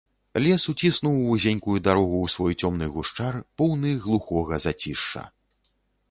Лес уціснуў вузенькую дарогу ў свой цёмны гушчар, поўны глухога зацішша.